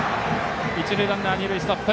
一塁ランナーは二塁ストップ。